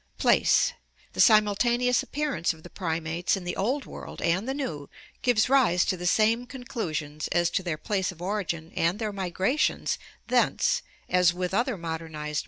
Place. — The simultaneous appearance of the primates in the Old World and the New gives rise to the same conclusions as to their place of origin and their migrations thence as with other modernized 669 ORGANIC EVOLUTION Fio.